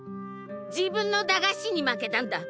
自分の駄菓子に負けたんだ。